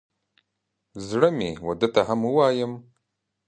زړه مې و ده ته هم ووایم.